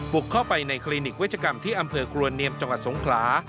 บุกเข้าไปในคลินิกเวชกรรมที่อำเภอครัวเนียมจังหวัดสงขลา